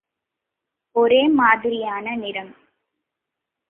ஒரே மாதிரியான நிறம்.